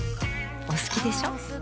お好きでしょ。